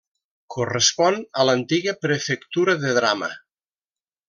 Correspon a l'antiga prefectura de Drama.